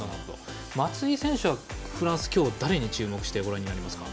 松井選手は、フランス今日、誰に注目してご覧になりますか？